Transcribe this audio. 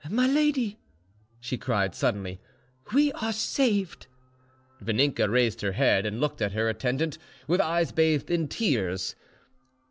"My lady," she cried suddenly, "we are saved." Vaninka raised her head and looked at her attendant with her eyes bathed in tears.